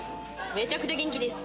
めちゃくちゃ元気です。